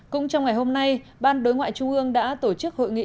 cũng trong ngày hôm nay ban đối ngoại trung ương đã tổ chức hội nghị